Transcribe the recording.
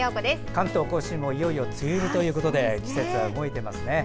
関東・甲信もいよいよ梅雨入りということで季節が動いていますね。